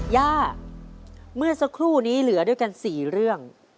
ย่าเมื่อสักครู่นี้เหลือด้วยกัน๔เรื่อง